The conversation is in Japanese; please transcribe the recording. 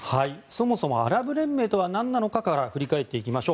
そもそもアラブ連盟とは何なのかから振り返ります。